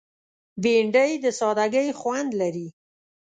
بېنډۍ د سادګۍ خوند لري